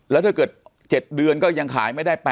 ถ้าเกิด๗เดือนก็ยังขายไม่ได้